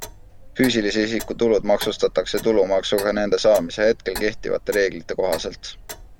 Füüsilise isiku tulud maksustatakse tulumaksuga nende saamise hetkel kehtivate reeglite kohaselt.